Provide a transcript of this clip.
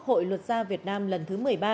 hội luật gia việt nam lần thứ một mươi ba